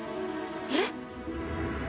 えっ？